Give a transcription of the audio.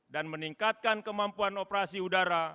dan meningkatkan kemampuan operasi udara